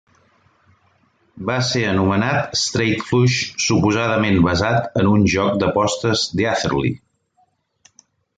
Va ser anomenat "Straight Flush", suposadament basat en un joc d'apostes d'Eatherly.